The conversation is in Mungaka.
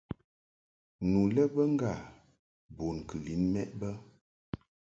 Nu lɛ bə ŋgâ bun kɨ lin mɛʼ bə.